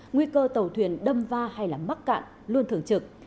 nguy cơ tàu thuyền đâm va hay mắc cạn luôn thường trực